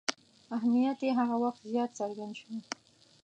اهمیت یې هغه وخت زیات څرګند شو.